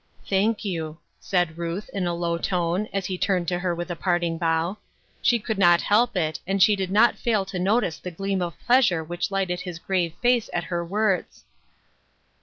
" Thank you," said Ruth, in a low tone, as he turned to her with a parting bow. She could not help it, and she did not fail to notice the gleam of pleasure which lighted his grave face at her words.